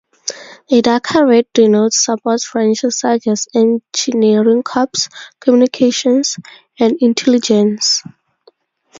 A darker red denotes support branches such as Engineering Corps, Communications, and Intelligence.